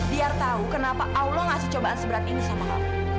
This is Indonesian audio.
biar tahu kenapa allah ngasih cobaan seberat ini sama allah